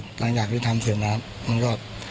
กลางจากที่ทำเสร็จนะครับ